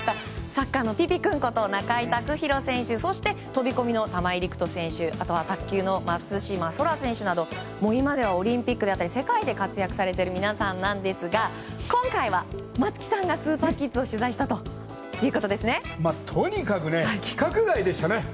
サッカーのピピ君こと中井卓大選手そして飛込の玉井陸斗選手卓球の松島輝空選手など今ではオリンピックや世界で活躍されている皆さんですが今回は松木さんがスーパーキッズをとにかく規格外でしたね。